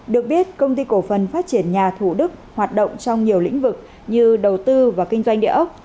được biết công ty cổ phần phát triển nhà thủ đức hoạt động trong nhiều lĩnh vực như đầu tư và kinh doanh địa ốc